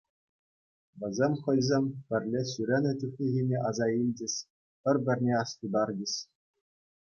Вӗсем хӑйсем пӗрле ҫӳренӗ чухнехине аса илчӗҫ, пӗр-пӗрне астутарчӗҫ.